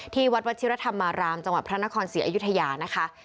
ที่วัดวัชิรธรรมารามจังหวัดพระนครศรีอยุธยานะคะ